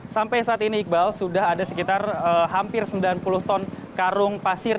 sampai saat ini iqbal sudah ada sekitar hampir sembilan puluh ton karung pasir